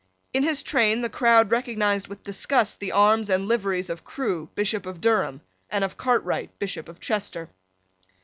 In his train the crowd recognised with disgust the arms and liveries of Crewe, Bishop of Durham, and of Cartwright, Bishop of Chester.